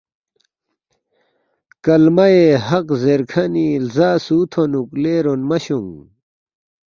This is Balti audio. کلمہءِ حق زیرکھنی لزا سُو تھونوک لے رنموشیونگ